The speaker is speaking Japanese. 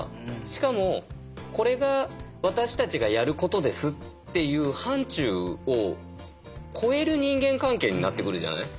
しかもこれが私たちがやることですっていう範ちゅうを超える人間関係になってくるじゃない？